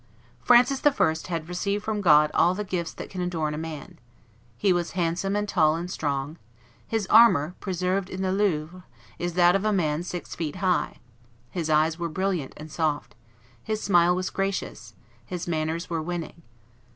Francis I. had received from God all the gifts that can adorn a man: he was handsome and tall and strong; his armor, preserved in the Louvre, is that of a man six feet high; his eyes were brilliant and soft, his smile was gracious, his manners were winning.